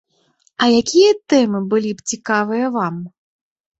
А якія тэмы былі б цікавыя вам?